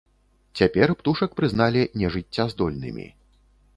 Цяпер птушак прызналі нежыццяздольнымі.